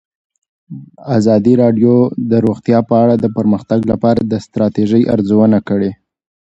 ازادي راډیو د روغتیا په اړه د پرمختګ لپاره د ستراتیژۍ ارزونه کړې.